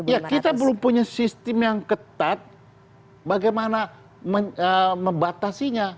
ya kita belum punya sistem yang ketat bagaimana membatasinya